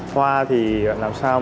hoa thì làm sao